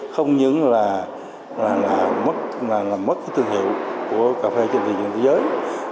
không những là mất thương hiệu của cà phê trên thế giới